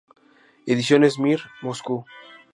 Ediciones Mir, Moscú.